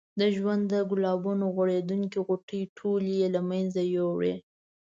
د ژوند د ګلابونو غوړېدونکې غوټۍ ټولې یې له منځه یوړې.